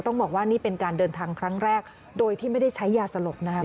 ต้องบอกว่านี่เป็นการเดินทางครั้งแรกโดยที่ไม่ได้ใช้ยาสลบนะครับ